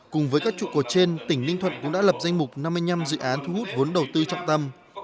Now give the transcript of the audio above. cùng với các trụ cột trên tỉnh ninh thuận cũng đã lập danh mục năm mươi năm dự án thu hút vốn đầu tư trọng tâm